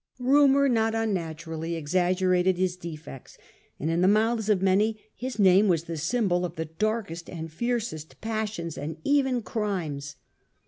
Eumour not unnatu rally exaggerated his defects, and in the mouths of many his name was the symbol of the darkest and fiercest passions, and even crimes.